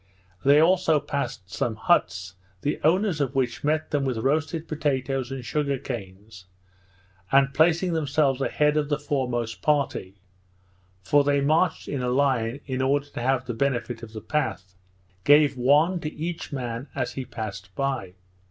They also passed some huts, the owners of which met them with roasted potatoes and sugar canes, and, placing themselves a head of the foremost party (for they marched in a line in order to have the benefit of the path), gave one to each man as he passed by.